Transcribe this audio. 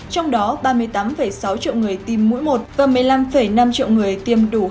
trong đó ba mươi tám sáu triệu người tiêm mũi một và một mươi năm năm triệu người tiêm đủ hai mũi